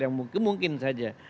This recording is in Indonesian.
yang mungkin saja